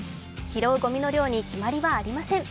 拾うごみの量に決まりはありません。